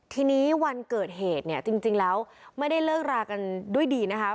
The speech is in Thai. ทีนี้วันเกิดเหตุเนี่ยจริงแล้วไม่ได้เลิกรากันด้วยดีนะคะ